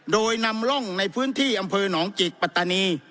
โดยนำร่องในพื้นที่อำเภอหนองจิกปัตตานี